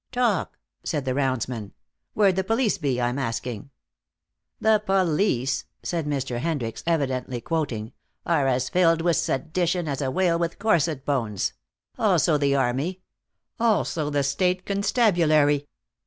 "Talk!" said the roundsman. "Where'd the police be, I'm asking?" "The police," said Mr. Hendricks, evidently quoting, "are as filled with sedition as a whale with corset bones. Also the army. Also the state constabulary."